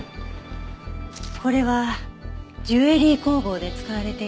これはジュエリー工房で使われていたものです。